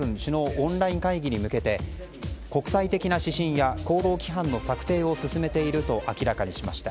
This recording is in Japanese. オンライン会議に向けて国際的な指針や行動規範の策定を進めていると明らかにしました。